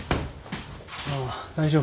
ああ大丈夫。